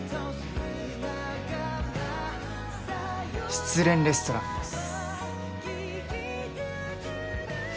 失恋レストランです